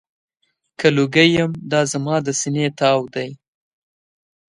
که لوګی یم، دا زما د سینې تاو دی.